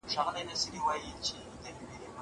د زيد بن حارثه قصه.